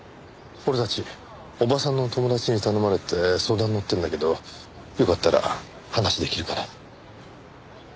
俺たち伯母さんの友達に頼まれて相談にのってるんだけどよかったら話できるかな？